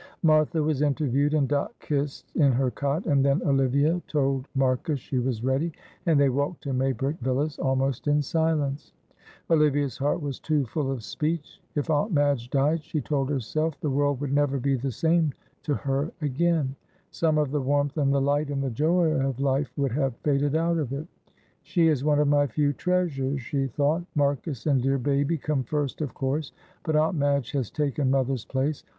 Martha was interviewed and Dot kissed in her cot, and then Olivia told Marcus she was ready; and they walked to Maybrick Villas almost in silence. Olivia's heart was too full for speech. If Aunt Madge died, she told herself, the world would never be the same to her again; some of the warmth and the light and the joy of life would have faded out of it. "She is one of my few treasures," she thought. "Marcus and dear baby come first, of course, but Aunt Madge has taken mother's place.